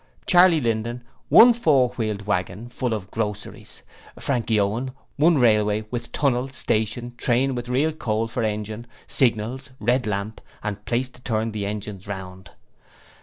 Charley Linden, one four wheeled waggon full of groceries. Frankie Owen, one railway with tunnel, station, train with real coal for engine, signals, red lamp and place to turn the engines round.'